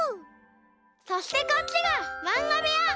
「そしてこっちがまんがべや。